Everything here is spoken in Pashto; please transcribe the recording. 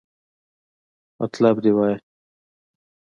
مطلب دې وایا!